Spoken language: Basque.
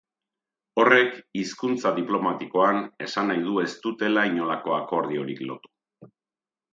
Horrek, hizkuntza diplomatikoan, esan nahi du ez dutela inolako akordiorik lotu.